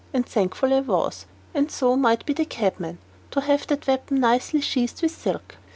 And thankful I was, and so might be the cabman, to have that weapon nicely sheathed with silk.